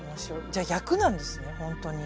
じゃあ「役」なんですね本当に。